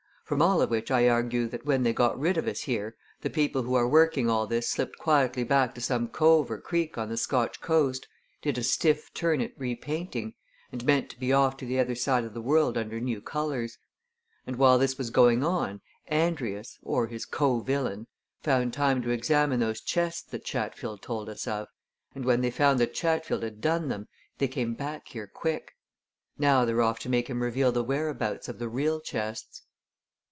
From all of which I argue that when they got rid of us here, the people who are working all this slipped quietly back to some cove or creek on the Scotch coast, did a stiff turn at repainting, and meant to be off to the other side of the world under new colours. And while this was going on, Andrius, or his co villain, found time to examine those chests that Chatfield told us of, and when they found that Chatfield had done them, they came back here quick. Now they're off to make him reveal the whereabouts of the real chests."